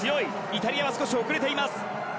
イタリアは少し遅れています。